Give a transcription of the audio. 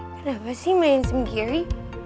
kenapa sih mansum gary